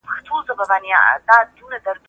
کبابي خپل سیخان په ترتیب سره په اور کېښودل.